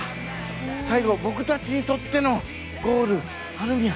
最後僕たちにとってのゴール春宮。